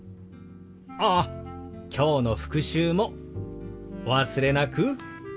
ああきょうの復習もお忘れなく。